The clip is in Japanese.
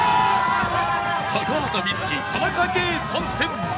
高畑充希田中圭参戦！